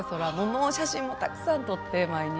写真もたくさん撮って毎日。